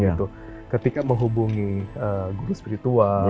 jadi ketika menghubungi guru spiritual